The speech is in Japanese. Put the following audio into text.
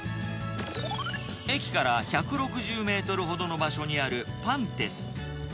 駅から１６０メートルほどの場所にあるパンテス。